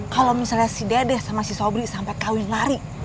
kalau misalnya si dedeh sama si sobri sampai kawin lari